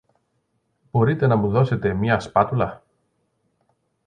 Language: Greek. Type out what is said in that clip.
Μπορείτε να μου δώσετε μια σπάτουλα;